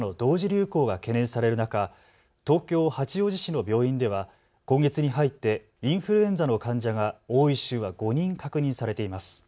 流行が懸念される中、東京八王子市の病院では今月に入ってインフルエンザの患者が多い週は５人確認されています。